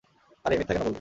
আরে, মিথ্যা কেন বলব?